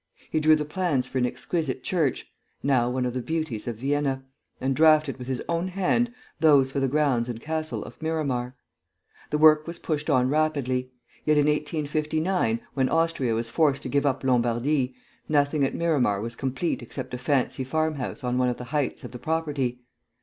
He drew the plans for an exquisite church (now one of the beauties of Vienna), and draughted with his own hand those for the grounds and castle of Miramar. The work was pushed on rapidly, yet in 1859, when Austria was forced to give up Lombardy, nothing at Miramar was complete except a fancy farm house on one of the heights of the property.